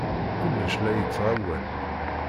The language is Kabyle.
Kullec la yettɣawal.